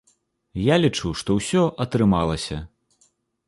Я лічу, што ўсё атрымалася.